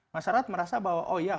masyarakat merasa bahwa oh iya